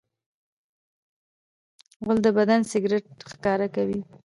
غول د بدن سګرټ ښکاره کوي.